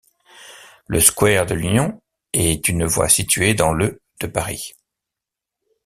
Le square de l'Union est une voie située dans le de Paris.